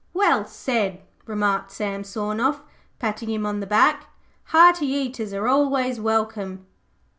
'Well said,' remarked Sam Sawnoff, patting him on the back. 'Hearty eaters are always welcome.'